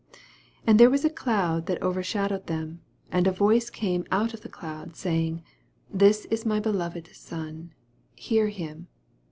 V And there was a cloud that over shadowed them : and a voice came out of the cloud, saying, This is my beloved .Son : hear him.